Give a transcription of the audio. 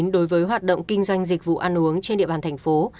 đối với hoạt động kinh doanh dịch vụ ăn uống trên địa bàn thành phố